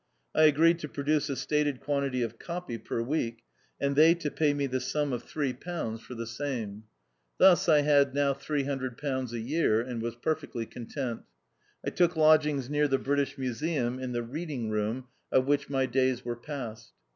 I agreed to pro duce a stated quantity of " copy " per week, and they to pay me the sum of £3 for the THE OUTCAST. 157 same. Thus I had now £300 a year, and was perfectly content. I took lodgings near the British Museum, in the reading room of which my days were passed.